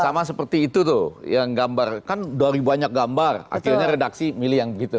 sama seperti itu tuh yang gambar kan dari banyak gambar akhirnya redaksi milih yang begitu